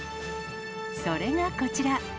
それがこちら。